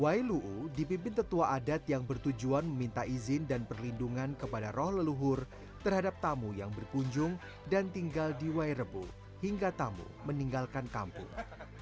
wailuu dipimpin tetua adat yang bertujuan meminta izin dan perlindungan kepada roh leluhur terhadap tamu yang berkunjung dan tinggal di wairebo hingga tamu meninggalkan kampung